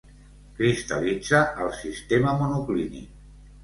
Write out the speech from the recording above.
Cristal·litza al sistema monoclínic.